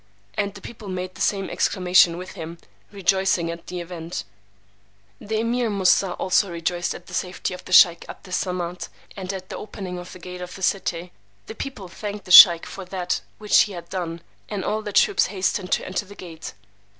and the people made the same exclamation with him, rejoicing at the event. The Emeer Moosà also rejoiced at the safety of the sheykh 'Abd Es Samad, and at the opening of the gate of the city; the people thanked the sheykh for that which he had done, and all the troops hastened to enter the gate.